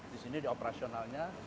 di sini operasionalnya